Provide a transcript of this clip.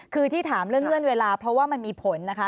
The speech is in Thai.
คือที่ถามเรื่องเงื่อนเวลาเพราะว่ามันมีผลนะคะ